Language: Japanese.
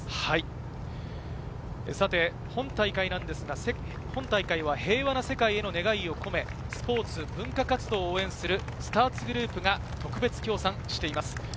今大会ですが、平和な世界への願いを込めスポーツ・文化活動を応援するスターツグループが特別協賛しています。